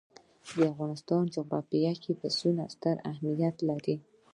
د افغانستان جغرافیه کې پسه ستر اهمیت لري.